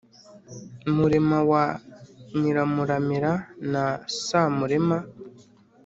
murema wa nyiramuramira na samurema